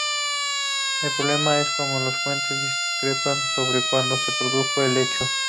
El problema es que las fuentes discrepan sobre cuándo se produjo el hecho.